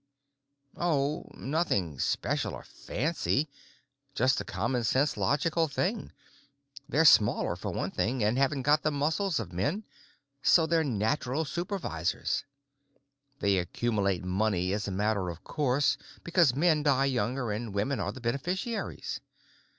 "Oh—nothing special or fancy. Just the common sense, logical thing. They're smaller, for one thing, and haven't got the muscles of men, so they're natural supervisors. They accumulate money as a matter of course because men die younger and women are the beneficiaries.